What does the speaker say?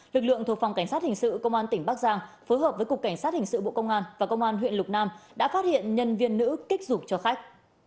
lực lượng thuộc phòng cảnh sát hình sự công an tỉnh bắc giang phối hợp với cục cảnh sát hình sự bộ công an và công an huyện lục nam đã phát hiện nhân viên nữ kích dục cho khách